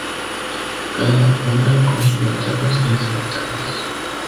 Cada una con sus ventajas y desventajas.